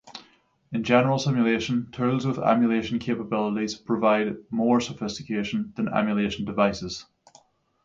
In general simulation tools with emulation capabilities provide more sophistication than emulation devices.